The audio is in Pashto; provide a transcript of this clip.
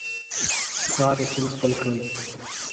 ښه عادتونه خپل کړئ.